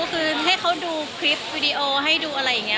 คือให้เขาดูคลิปวิดีโอให้ดูอะไรอย่างนี้